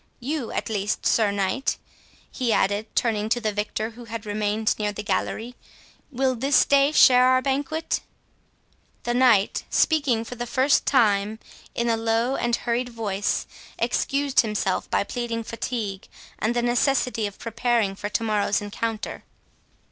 —You, at least, Sir Knight," he added, turning to the victor, who had remained near the gallery, "will this day share our banquet?" The Knight, speaking for the first time, in a low and hurried voice, excused himself by pleading fatigue, and the necessity of preparing for to morrow's encounter.